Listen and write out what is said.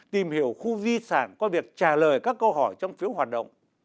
tìm hiểu khu di sản qua việc trả lời các câu hỏi trong phiếu hoạt động